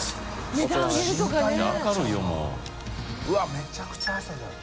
めちゃくちゃ朝じゃん。